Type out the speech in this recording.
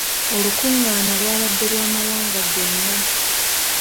Olukungaana lwabadde lwa mawanga gonna.